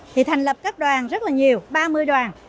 thì thành lập các đoàn rất là nhiều ba mươi đoàn